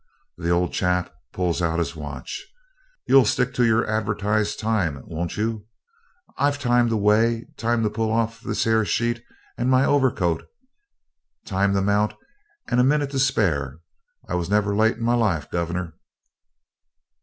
The old chap pulls out his watch. 'You'll stick to your advertised time, won't you? I've time to weigh, time to pull off this here sheet and my overcoat, time to mount, and a minute to spare. I never was late in my life, governor.'